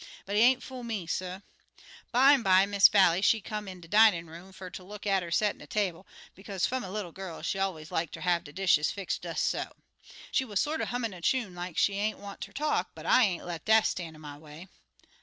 But he ain't fool me, suh. "Bimeby, Miss Vallie, she come in de dinin' room fer ter look atter settin' de table, bekaze fum a little gal she allers like ter have de dishes fix des so. She wuz sorter hummin' a chune, like she ain't want ter talk, but I ain't let dat stan' in my way.